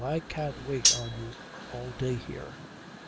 I can't wait on you all day here."